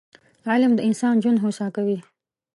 علم د انسان ژوند هوسا کوي